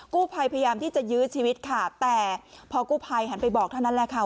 กู้ภัยพยายามที่จะยื้อชีวิตค่ะแต่พอกู้ภัยหันไปบอกเท่านั้นแหละค่ะ